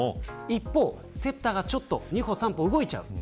一方セッターが２歩、３歩動いちゃう。